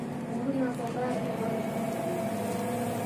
ګلونه په باغ کې غوړېدلي دي.